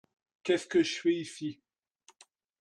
Qu’est-ce que je fais ici?